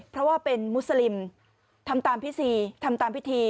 เพราะว่าเป็นมุสลิมทำตามพิธีทำตามพิธี